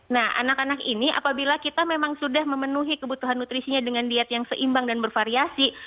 nah anak anak ini apabila kita memang sudah memenuhi kebutuhan nutrisinya dengan diet yang seimbang dan bervariasi